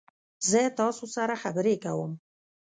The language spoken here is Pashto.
زه تاسو سره خبرې کوم.